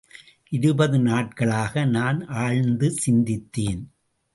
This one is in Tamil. இருபது நாட்களாக நான் ஆழ்ந்து சிந்தித்தேன்.